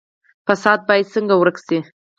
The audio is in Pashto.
فساد باید څنګه ورک شي؟